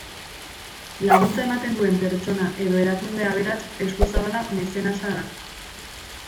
Laguntza ematen duen pertsona edo erakunde aberats eskuzabala mezenasa da.